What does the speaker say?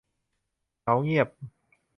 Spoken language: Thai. เหงาเงียบ